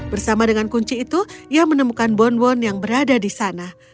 bersama dengan kunci itu ia menemukan bonbon yang berada di sana